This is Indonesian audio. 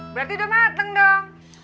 berarti udah mateng dong